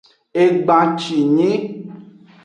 Egbancinyi.